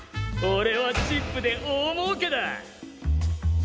おれはチップで大もうけだ！